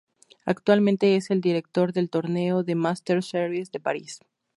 Actualmente es el Director del Torneo de Masters Series de París.